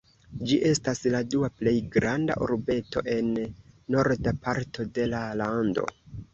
Ĝi estas la dua plej granda urbeto en norda parto de la lando.